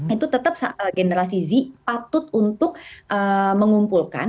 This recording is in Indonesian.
itu tetap generasi z patut untuk mengumpulkan